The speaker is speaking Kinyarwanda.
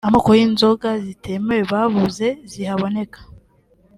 Amako y’inzoga zitemewe bavuze zihaboneka